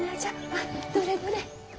あっどれどれ。